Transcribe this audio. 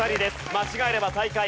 間違えれば最下位。